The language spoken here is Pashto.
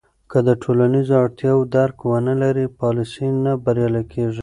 که د ټولنیزو اړتیاوو درک ونه لرې، پالیسۍ نه بریالۍ کېږي.